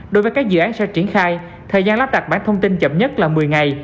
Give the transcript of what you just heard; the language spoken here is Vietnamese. đối với các dự án sẽ triển khai thời gian lắp đặt bản thông tin chậm nhất là một mươi ngày